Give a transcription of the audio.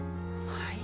はい？